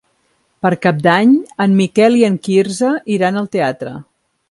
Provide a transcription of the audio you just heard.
Per Cap d'Any en Miquel i en Quirze iran al teatre.